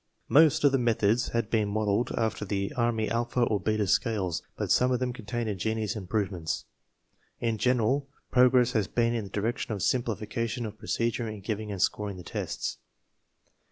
Most of these methods had been modeled after the army Alpha or Beta scales, but some THE PROBLEM 3 of them contained ingenious improvements. In gen eral, progress had been in the direction of simplification of procedure in giving and scoring the tests.